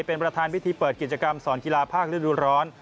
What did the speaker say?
เป็นประธานพิธีเปิดกิจกรรมสอนกีฬาภาคฤดูร้อน